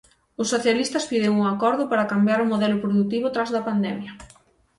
Os socialistas piden un acordo para cambiar o modelo produtivo tras da pandemia.